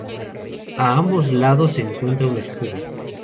A ambos lados se encuentra un escudo.